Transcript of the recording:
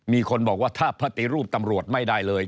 มีคนบอกว่าถ้าปฏิรูปตำรวจไม่ได้เลย